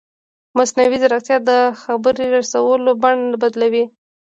مصنوعي ځیرکتیا د خبر رسولو بڼه بدلوي.